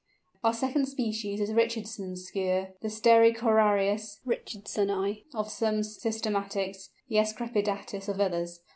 Our second species is Richardson's Skua, the Stercorarius richardsoni of some systematists, the S. crepidatus of others.